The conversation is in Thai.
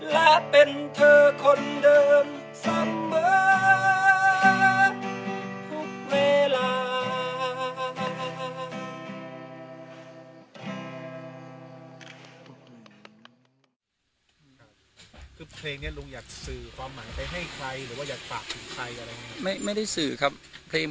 และเป็นเธอคนเดิมเสมอทุกเวลา